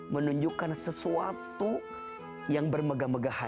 menurut seseorang malaysia